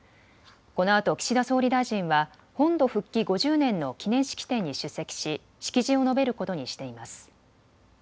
このあと岸田総理大臣は本土復帰５０年の記念式典に出席し式辞を述べることにしています。